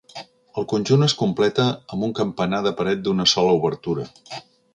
El conjunt es completa amb un campanar de paret d'una sola obertura.